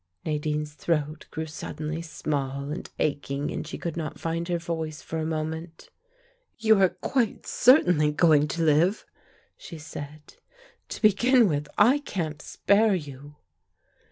Nadine's throat grew suddenly small and aching, and she could not find her voice for a moment. "You are quite certainly going to live," she said. "To begin with, I can't spare you!"